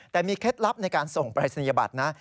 แต่มีเคล็ดลับในการส่งปรายศนียบัตรนะ